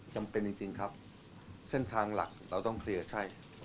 จำเป็นจริงครับเส้นทางหลักเราต้องเคลียร์ใช่